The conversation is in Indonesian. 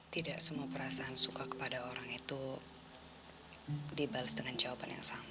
tidak semua perasaan suka kepada orang itu dibalas dengan jawaban yang sama